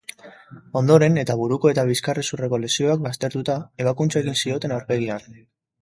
Ondoren, eta buruko eta bizkarrezurreko lesioak baztertuta, ebakuntza egin zioten aurpegian.